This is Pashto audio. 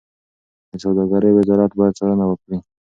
د سوداګرۍ وزارت باید څارنه وکړي.